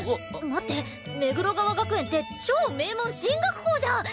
待って目黒川学園って超名門進学校じゃん！